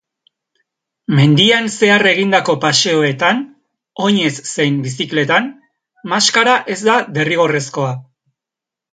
Mendian zehar egindako paseoetan, oinez zein bizikletan, maskara ez da derrigorrezkoa.